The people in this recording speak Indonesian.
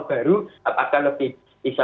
baru apakah bisa